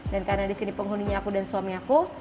dan karena di sini penghuninya aku dan suami aku